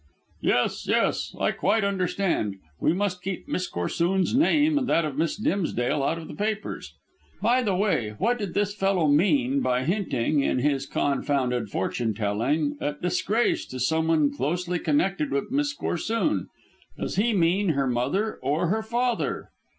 "Yes! yes! I quite understand. We must keep Miss Corsoon's name and that of Miss Dimsdale out of the papers. By the way, what did this fellow mean by hinting in his confounded fortune telling at disgrace to someone closely connected with Miss Corsoon? Does he mean her mother or her father?"